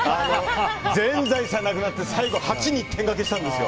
全財産なくなって最後８に点賭けしたんですよ。